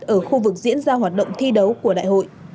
ở khu vực diễn ra hoạt động thi đấu của đại hội